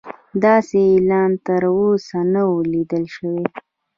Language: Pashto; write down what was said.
داسې اعلان تر اوسه نه و لیدل شوی.